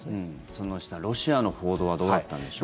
その下、ロシアの報道はどうだったんでしょう。